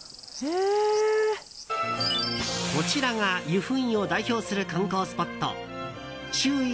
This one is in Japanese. こちらが由布院を代表する観光スポット周囲